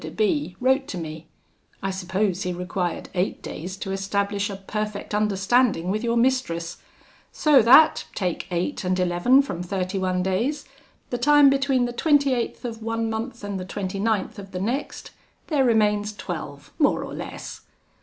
de B wrote to me; I suppose he required eight days to establish a perfect understanding with your mistress; so that, take eight and eleven from thirty one days, the time between the 28th of one month and the 29th of the next, there remains twelve, more or less!'